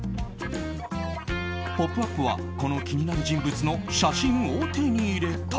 「ポップＵＰ！」はこの気になる人物の写真を手に入れた。